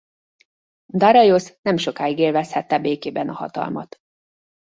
Dareiosz nem sokáig élvezhette békében a hatalmat.